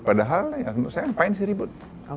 padahal ya untuk saya ngapain sih ribut